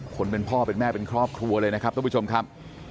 คนเป็นพ่อเป็นแม่เป็นครอบครัวเลยนะครับทุกผู้ชมครับ